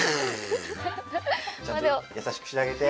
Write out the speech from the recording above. ちゃんとやさしくしてあげて。